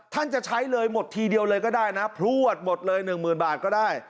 จะใช้เลยหมดทีเดียวเลยก็ได้นะพลวดหมดเลย๑๐๐๐บาทก็ได้